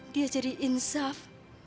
dia jadi insaf